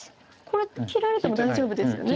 これ切られても大丈夫ですよね。